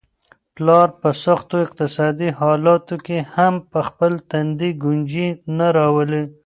پلار په سختو اقتصادي حالاتو کي هم په خپل تندي ګونجې نه راولي.